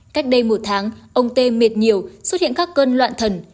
cách đây một tháng ông tê miệt nhiều xuất hiện các cơn loạn thần